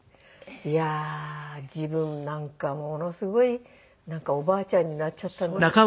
いやー自分なんかものすごいおばあちゃんになっちゃったんだなって。